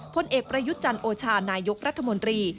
พลเอกประยุทธ์จันโอชานายกรัฐมนตรี